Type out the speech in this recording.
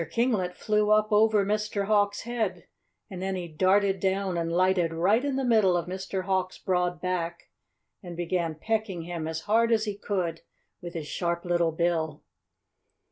Kinglet flew up over Mr. Hawk's head, and then he darted down and lighted right in the middle of Mr. Hawk's broad back, and began pecking him as hard as he could with his sharp little bill.